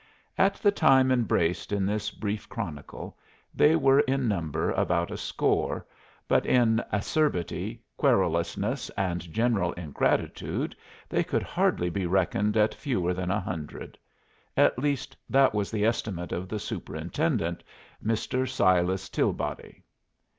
At the time embraced in this brief chronicle they were in number about a score, but in acerbity, querulousness, and general ingratitude they could hardly be reckoned at fewer than a hundred; at least that was the estimate of the superintendent, Mr. Silas Tilbody.